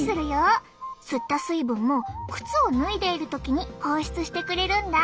吸った水分も靴を脱いでいる時に放出してくれるんだ。